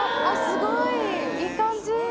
すごいいい感じ！